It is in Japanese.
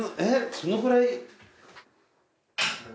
そのくらい。